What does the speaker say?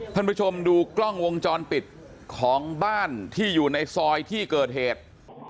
ท่านผู้ชมดูกล้องวงจรปิดของบ้านที่อยู่ในซอยที่เกิดเหตุ